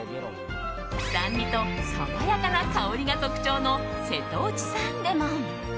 酸味と爽やかな香りが特徴の瀬戸内産レモン。